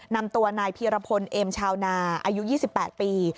นำตัวนายพีรพลเอ็มชาวนาอายุ๒๘ปี